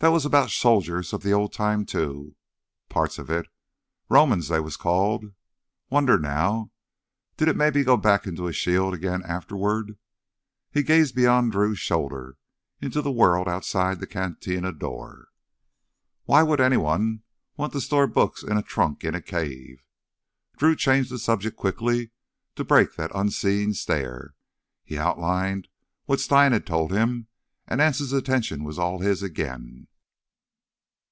That was 'bout soldiers of th' old time, too—parts of it. Romans they was called. Wonder now—did it maybe go back into a shield agin afterward?" He gazed beyond Drew's shoulder into the world outside the cantina door. "Why would anyone want to store books in a trunk in a cave?" Drew changed the subject quickly to break that unseeing stare. He outlined what Stein had told him, and Anse's attention was all his again.